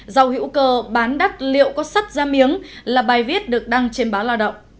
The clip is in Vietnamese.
dầu hữu cơ bán đắt liệu có sắt ra miếng là bài viết được đăng trên báo lao động